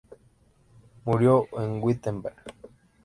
Murió en Wittenberg.